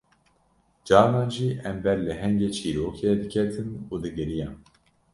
Carnan jî em ber lehengê çîrokê diketin û digiriyan